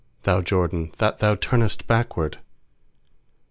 Thou Jordan, that thou turnest backward?